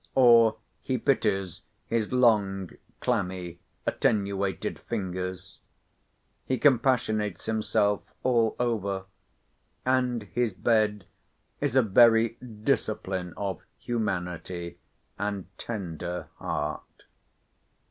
Or he pities his long, clammy, attenuated fingers. He compassionates himself all over; and his bed is a very discipline of humanity, and tender heart.